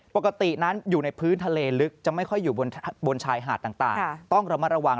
ปกตินั้นอยู่ในพื้นทะเลลึกจะไม่ค่อยอยู่บนชายหาดต่างต้องระมัดระวัง